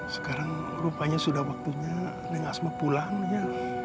sekarang rupanya sudah waktunya neng asma pulang ya